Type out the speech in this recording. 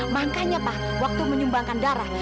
makanya pak waktu menyumbangkan darah